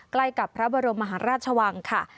ใกล้กับพระบรมมหาราชวังค่ะ